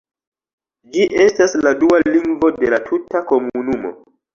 Ĝi estas la dua lingvo de la tuta komunumo.